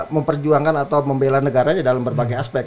memperjuangkan atau membela negaranya dalam berbagai aspek